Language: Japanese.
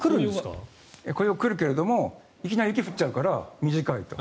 来るけれどもいきなり雪が降っちゃうから短いと。